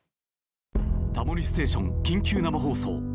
「タモリステーション」緊急生放送。